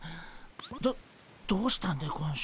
どどうしたんでゴンショ。